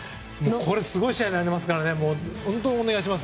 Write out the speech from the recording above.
すごい試合になりますから本当にお願いします。